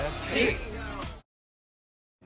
えっ！